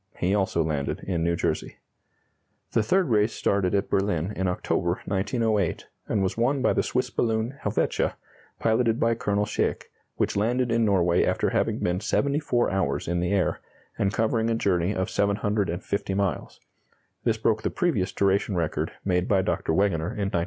He also landed in New Jersey. The third race started at Berlin in October, 1908, and was won by the Swiss balloon "Helvetia," piloted by Colonel Schaeck, which landed in Norway after having been 74 hours in the air, and covering a journey of 750 miles. This broke the previous duration record made by Dr. Wegener in 1905.